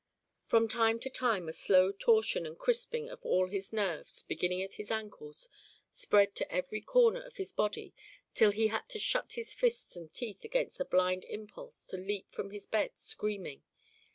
From time to time a slow torsion and crisping of all his nerves, beginning at his ankles, spread to every corner of his body till he had to shut his fists and teeth against the blind impulse to leap from his bed screaming.